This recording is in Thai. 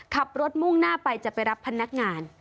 ขับรถมุ่งหน้าไปจะไปรับพนักงาน